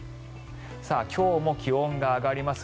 今日も気温が上がります。